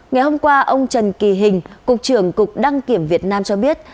ngày hôm qua ông trần kỳ hình cục trưởng cục đăng kiểm việt nam cho biết